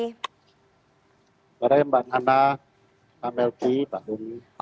selamat sore mbak nana pak melki pak rumi